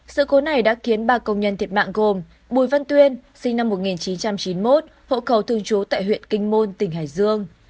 sự cố này đã khiến ba công nhân thiệt mạng gồm bùi văn tuyên sinh năm một nghìn chín trăm chín mươi một hộ khẩu thường trú tại huyện kinh môn tỉnh hải dương